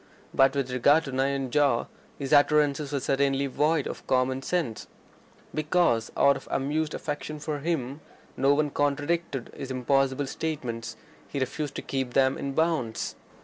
But with regard to Nayanjore his utterances were certainly void of common sense. Because, out of amused affection for him, no one contradicted his impossible statements, he refused to keep them in bounds.